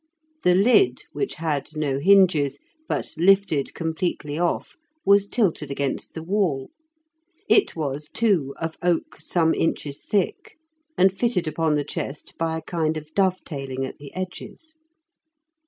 The lid, which had no hinges, but lifted completely off, was tilted against the wall. It was, too, of oak some inches thick, and fitted upon the chest by a kind of dovetailing at the edges.